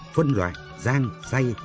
phân loại rang xay